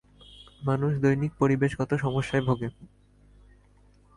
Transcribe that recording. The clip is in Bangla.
মানুষ দৈনিক পরিবেশগত সমস্যায় ভোগে।